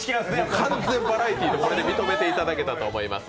完全バラエティーと認めていただけたと思います。